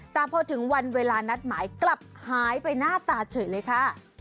แต่พอถึงวันเวลานัดหมายกลับหายไปหน้าตาเฉยเลยค่ะ